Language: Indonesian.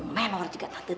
menur juga tante